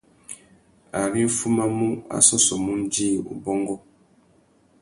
Ari nʼfumamú, a sôssômú undjï, ubôngô.